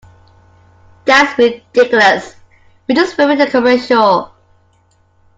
That's ridiculous, we're just filming a commercial.